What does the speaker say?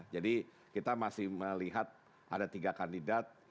jadi kita masih melihat ada tiga kandidat